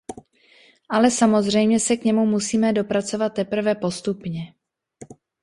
Ale samozřejmě se k němu musíme dopracovat teprve postupně.